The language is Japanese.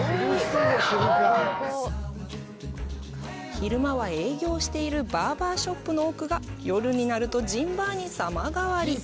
昼間は営業しているバーバーショップの奥が夜になると、ジンバーに様変わり。